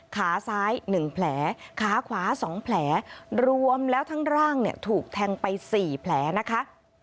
ขาซ้าย๑แผลขาขวา๒แผลรวมแล้วทั้งร่างเนี่ยถูกแทงไป๔แผลนะคะ